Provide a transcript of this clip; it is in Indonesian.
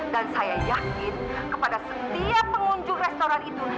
dan saya yakin kepada setiap pengunjung restoran itu